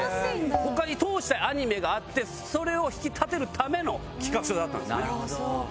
他に通したいアニメがあってそれを引き立てるための企画書だったんですね。